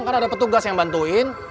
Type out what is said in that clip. kan ada petugas yang bantuin